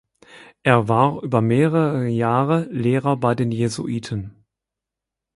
Er war über mehrere Jahre Lehrer bei den Jesuiten.